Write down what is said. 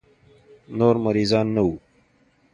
نور مريضان نه وو.